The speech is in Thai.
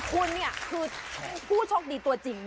คุณเนี่ยคือผู้โชคดีตัวจริง